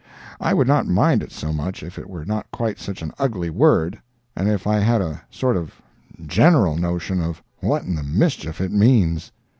I would not mind it so much if it were not quite such an ugly word, and if I had a sort of general notion of what in the mischief it means.